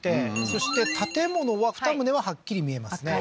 そして建物は２棟ははっきり見えますね